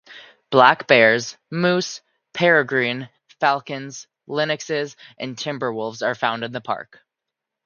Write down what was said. Black bears, moose, peregrine falcons, lynxes and timber wolves are found in the park.